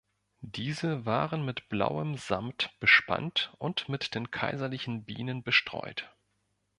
Diese waren mit blauem Samt bespannt und mit den kaiserlichen Bienen bestreut.